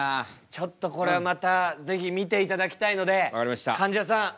ちょっとこれはまた是非見ていただきたいのでかんじゃさんお呼びします。